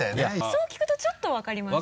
そう聞くとちょっと分かります。